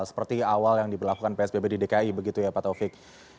seperti awal yang diberlakukan psbb di dki begitu ya pak taufik